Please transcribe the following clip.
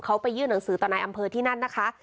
เขาไปยื่นหนังสือต่อนายอำเภอที่นั่นนะคะ